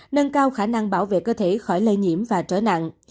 nâng cao khả năng bảo vệ cơ thể khỏi lây nhiễm và trở nặng